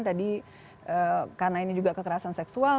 tadi karena ini juga kekerasan seksual